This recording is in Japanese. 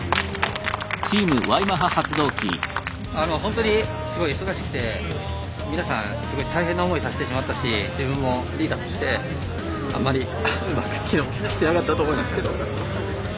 ホントにすごい忙しくて皆さんすごい大変な思いさせてしまったし自分もリーダーとしてあんまりうまく機能してなかったと思いますけど。